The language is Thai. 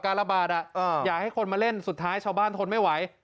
ระบาดอยากให้คนมาเล่นสุดท้ายชาวบ้านทนไม่ไหว